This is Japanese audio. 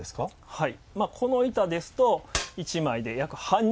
はい。